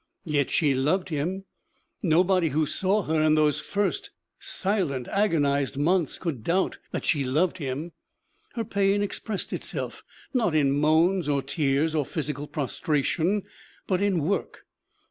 Yet she loved him; nobody who saw her in those first silent, agonized months could doubt that she loved him. Her pain expressed itself, not in moans or tears or physical prostration, but in work.